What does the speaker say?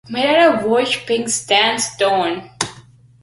Made of Vosges pink sandstone.